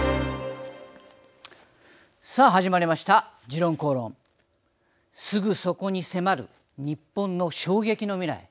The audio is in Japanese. さあ、始まりました「時論公論」すぐそこに迫る日本の衝撃の未来。